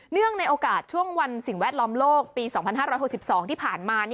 ในโอกาสช่วงวันสิ่งแวดล้อมโลกปี๒๕๖๒ที่ผ่านมา